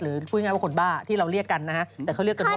หรือปรียบบ่าของเราที่เรียกกันนะ